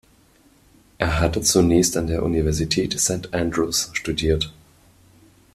Er hatte zunächst an der Universität St Andrews studiert.